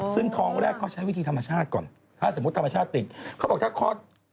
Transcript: ซึ่งท้องแรกก็ใช้วิธีธรรมชาติก่อนถ้าสมมติธรรมชาติติด